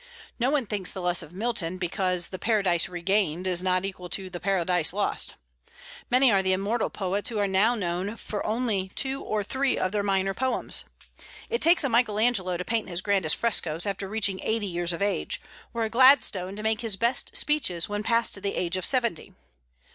No one thinks the less of Milton because the "Paradise Regained" is not equal to the "Paradise Lost." Many are the immortal poets who are now known only for two or three of their minor poems. It takes a Michael Angelo to paint his grandest frescos after reaching eighty years of age; or a Gladstone, to make his best speeches when past the age of seventy.